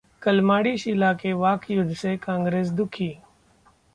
कलमाडी-शीला के वाकयुद्ध से कांग्रेस दुखी